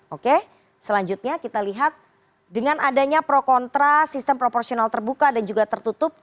oke selanjutnya kita lihat dengan adanya pro kontra sistem proporsional terbuka dan juga tertutup